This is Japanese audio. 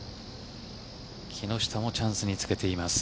木下もチャンスにつけています。